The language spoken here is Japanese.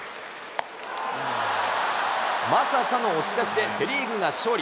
まさかの押し出しでセ・リーグが勝利。